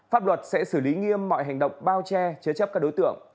pháp luật sẽ xử lý nghiêm mọi hành động bao che chế chấp các đối tượng